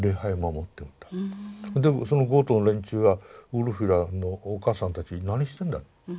でそのゴートの連中はウルフィラのお母さんたちに何してんだ？